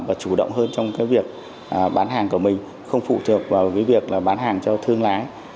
và chủ động hơn trong việc bán hàng của mình không phụ thuộc vào việc bán hàng cho thương lá